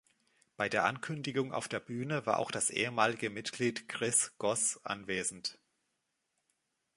Bei der Ankündigung auf der Bühne war auch das ehemalige Mitglied Chris Goss anwesend.